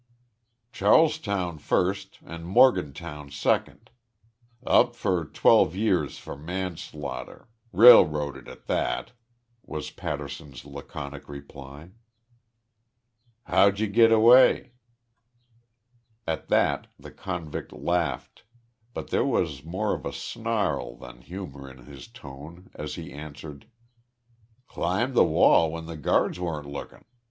"Charlestown first an' Morgantown second. Up for twelve years for manslaughter railroaded at that," was Patterson's laconic reply. "How'd you get away?" At that the convict laughed, but there was more of a snarl than humor in his tone as he answered: "Climbed th' wall when th' guards weren't lookin'.